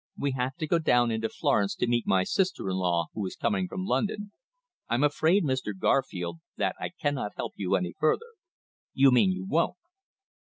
We have to go down into Florence to meet my sister in law, who is coming from London. I'm afraid, Mr. Garfield, that I cannot help you any further." "You mean you won't!"